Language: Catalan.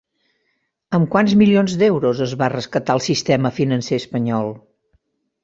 Amb quants milions d'euros es va rescatar el sistema financer espanyol?